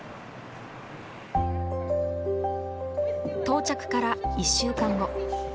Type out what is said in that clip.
到着から１週間後。